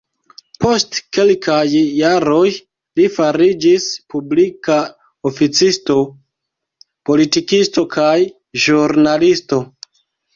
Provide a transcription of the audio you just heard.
Post kelkaj jaroj, li fariĝis publika oficisto, politikisto kaj ĵurnalisto.